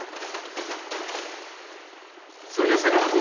それではさかなクン。